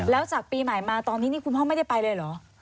แล้วจากปีใหม่มาตอนนี้นี่คุณพ่อไม่ได้ไปเลยเหรอ